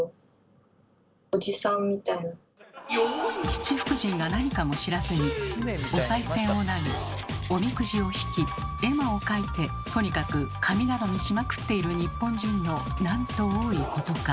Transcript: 七福神が何かも知らずにお賽銭を投げおみくじを引き絵馬を書いてとにかく神頼みしまくっている日本人のなんと多いことか。